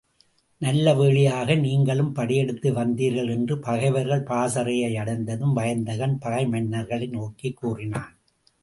நல்லவேளையாக நீங்களும் படையெடுத்து வந்தீர்கள் என்று பகைவர்கள் பாசறையை அடைந்ததும் வயந்தகன் பகைமன்னர்களை நோக்கிக் கூறினான்.